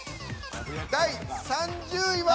第３０位は。